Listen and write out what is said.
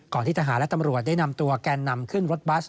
ที่ทหารและตำรวจได้นำตัวแกนนำขึ้นรถบัส